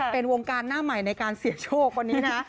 เป็นวงการหน้าใหม่ในการเสี่ยงโชควันนี้นะ